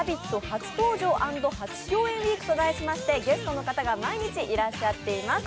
初登場＆初共演ウイークとしましてゲストの方が毎日、いらっしゃっています。